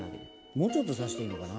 もうちょっと刺していいのかな。